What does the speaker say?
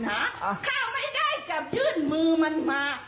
ถ้าไม่ได้จะยื่นมือมันมา